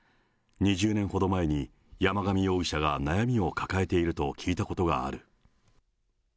２０年ほど前に、山上容疑者が悩みを抱えていると聞いたことがある。